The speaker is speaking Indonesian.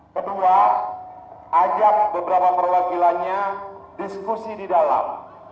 kedua ajak beberapa perwakilannya diskusi di dalam